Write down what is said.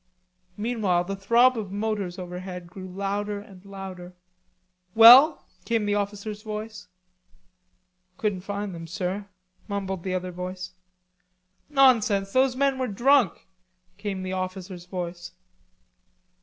Meanwhile the throb of motors overhead grew louder and louder. "Well?" came the officer's voice. "Couldn't find them, sir," mumbled the other voice. "Nonsense. Those men were drunk," came the officer's voice.